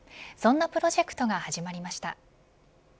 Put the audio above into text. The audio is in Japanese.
そんなプロジェクトが始まりました。